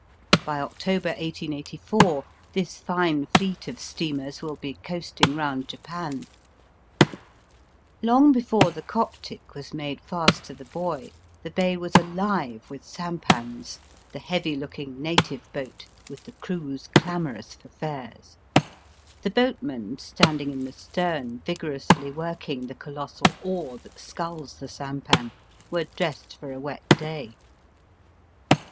By October, 1884, this fine fleet of steamers will be coast ing round Japan, Long before the Coptic was made fast to the buoy the bay was alive with sampans, the heavy looking native boat, with the crews clamorous for fares. The boatmen, standing in the stem vigorously working the colossal oar that sculls the sampan, were dressed for a wet day.